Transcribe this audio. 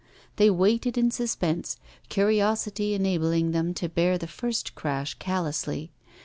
They waited in suspense, curiosity enabling them to bear the first crash callously.